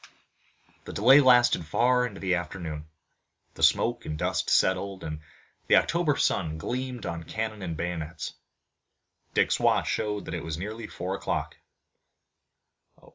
The delay lasted far into the afternoon. The smoke and dust settled, and the October sun gleamed on cannon and bayonets. Dick's watch showed that it was nearly four o'clock.